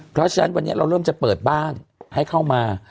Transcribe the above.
เพราะฉะนั้นวันนี้เราเริ่มจะเปิดบ้านให้เข้ามา